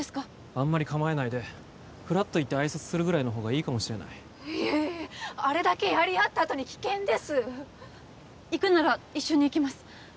あんまり構えないでふらっと行って挨拶するぐらいの方がいいかもしれないあれだけやり合ったあとに危険です行くなら一緒に行きます